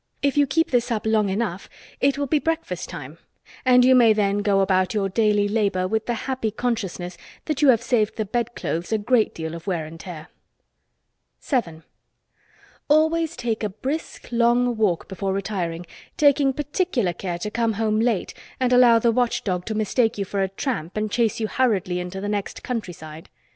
If you keep this up long enough it will be breakfast time, and you may then go about your daily labor with the happy consciousness that you have saved the bed clothes a great deal of wear and tear. 7. Always take a brisk, long walk before retiring, taking particular care to come home late and allow the watch dog to mistake you for a tramp and chase you hurriedly into the next country side.